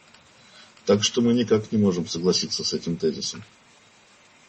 Так что мы никак не можем согласиться с этим тезисом.